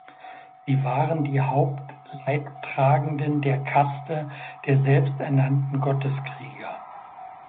Sie waren die Hauptleidtragenden der Kaste der selbsternannten Gotteskrieger.